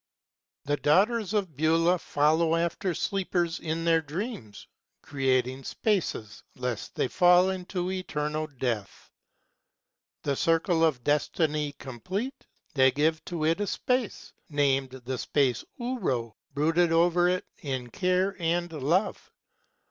The Daughters of Beulah follow after sleepers in their dreams, Creating spaces, lest they fall into Eternal Death. 210 The circle of Destiny complete, they gave to it a space, Named the space Ulro, brooded over it in care and love.